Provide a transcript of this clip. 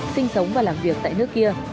sinh sống và làm việc tại nước kia